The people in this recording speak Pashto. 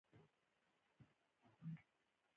ټولنې د خیالي سلسله مراتبو پر بنسټ جوړې شوې دي.